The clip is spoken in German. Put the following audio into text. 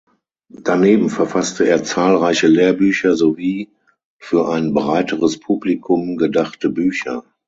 Daneben verfasste er zahlreiche Lehrbücher sowie für ein breiteres Publikum gedachte Bücher.